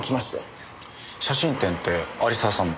写真展って有沢さんの？